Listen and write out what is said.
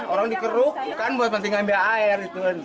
orang dikeruk bukan buat nanti ngambil air